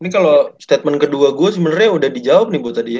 ini kalau statement kedua gue sebenernya udah di jawab nih bu tadi ya